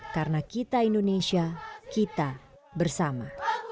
karena kita indonesia kita bersama